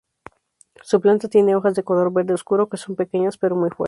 Su planta tiene hojas de color verde oscuro que son pequeñas pero muy fuertes.